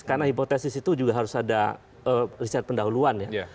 karena hipotesis itu juga harus ada riset pendahuluan ya